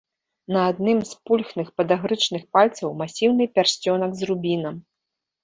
На адным з пульхных падагрычных пальцаў масіўны пярсцёнак з рубінам.